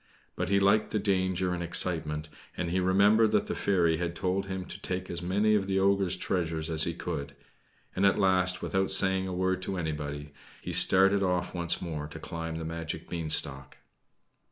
But he liked the danger and excitement, and he remembered that the fairy had told him to take as many of the ogre's treasures as he could; and at last, without saying a word to anybody, he started off once more to climb the magic beanstalk.